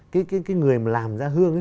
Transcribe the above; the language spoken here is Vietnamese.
cái người mà làm ra hương ấy